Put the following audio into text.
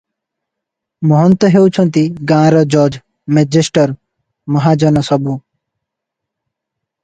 ମହନ୍ତ ହେଉଛନ୍ତି ଗାଁର ଜଜ୍, ମେଜେଷ୍ଟର, ମହାଜନ ସବୁ ।